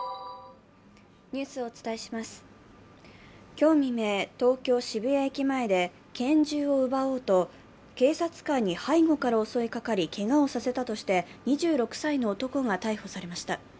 今日未明、東京・渋谷駅前で拳銃を奪おうと警察官に背後から襲いかかりけがをさせたとして２６歳の男が逮捕されました。